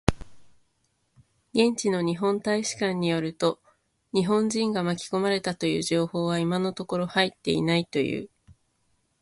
現地の日本大使館によると、日本人が巻き込まれたという情報は今のところ入っていないという。